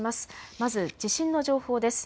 まず地震の情報です。